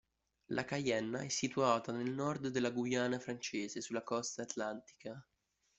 La Caienna è situata nel nord della Guyana francese, sulla costa atlantica.